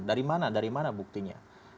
dari mana buktinya